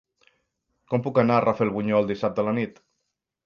Com puc anar a Rafelbunyol dissabte a la nit?